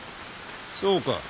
そうか。